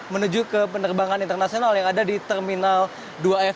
menuju ke penerbangan internasional yang ada di terminal dua f